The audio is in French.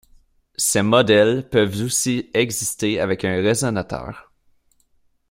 Ces modèles peuvent aussi exister avec un résonateur.